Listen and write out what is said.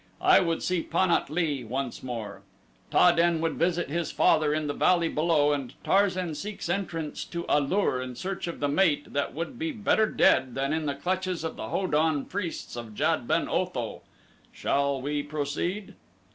I would see Pan at lee once more. Ta den would visit his father in the valley below and Tarzan seeks entrance to A lur in search of the mate that would be better dead than in the clutches of the Ho don priests of Jad ben Otho. How shall we proceed?"